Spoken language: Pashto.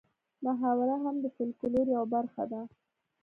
محاوره هم د فولکلور یوه برخه ده